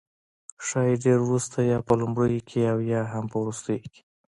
ښايي ډیر وروسته، یا په لومړیو کې او یا هم په وروستیو کې